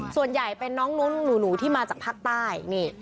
ส่วนใหญ่เป็นน้องนุ้นหนูที่มาจากภาคใต้